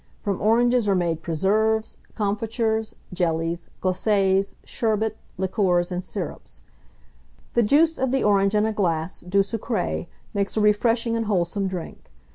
From oranges are made preserves, comfitures, jellies, glacés, sherbet, liqueurs, and syrups. The juice of the orange in a glass d'eau sucrée makes a refreshing and wholesome drink.